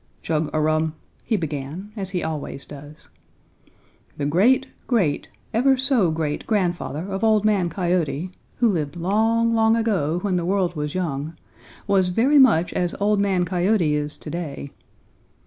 "Chug a rum!" he began, as he always does. "The great great ever so great grandfather of Old Man Coyote, who lived long, long ago when the world was young, was very much as Old Man Coyote is to day.